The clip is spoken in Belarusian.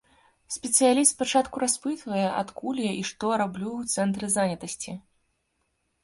Спецыяліст спачатку распытвае, адкуль я і што раблю ў цэнтры занятасці.